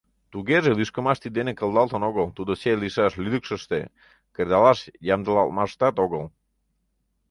Тугеже лӱшкымаш тиддене кылдалтын огыл - тудо сӧй лийшаш лӱдыкшыштӧ, кредалаш ямдылалтмаштат огыл.